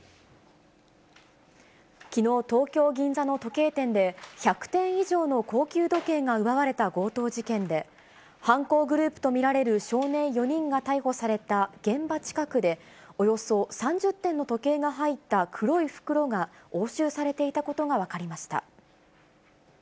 きのう、東京・銀座の時計店で、１００点以上の高級時計が奪われた強盗事件で、犯行グループと見られる少年４人が逮捕された現場近くで、およそ３０点の時計が入った黒い袋が押収されていたことが分かりました。